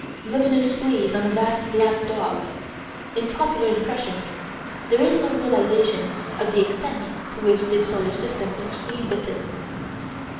Luminous fleas on a vast black dog in popular impressions, there is no realization of the extent to which this solar system is flea bitten.